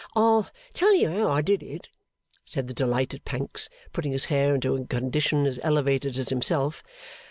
'I'll tell you how I did it,' said the delighted Pancks, putting his hair into a condition as elevated as himself.